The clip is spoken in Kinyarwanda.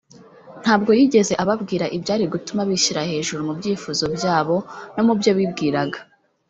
ntabwo yigeze ababwira ibyari gutuma bishyira hejuru mu byifuzo byabo no mu byo bibwiraga